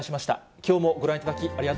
きょうもご覧いただき、ありがと